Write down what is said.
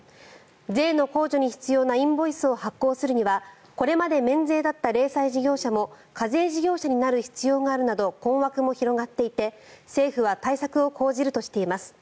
税の控除に必要なインボイスを発行するにはこれまで免税だった零細事業者も課税事業者になる必要があるなど困惑も広がっていて政府は対策を講じるとしています。